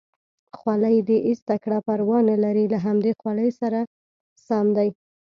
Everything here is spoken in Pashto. خولۍ دې ایسته کړه، پروا نه لري له همدې خولۍ سره سم دی.